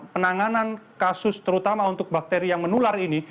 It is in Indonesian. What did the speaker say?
penanganan kasus terutama untuk bakteri yang menular ini